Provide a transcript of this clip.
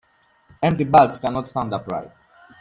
Empty bags cannot stand upright.